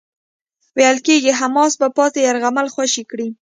ویل کېږی حماس به پاتې يرغمل خوشي کړي.